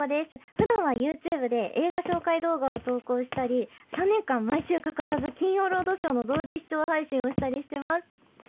ふだんはユーチューブで映画紹介動画を投稿したり、３年間、毎週欠かさず、金曜ロードショーの同時視聴配信をしたりしてます。